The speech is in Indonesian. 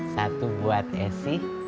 satu buat esy